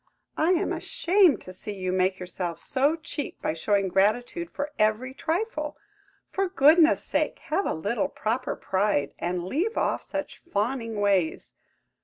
I am ashamed to see you make yourself so cheap, by showing gratitude for every trifle. For goodness' sake have a little proper pride, and leave off such fawning ways!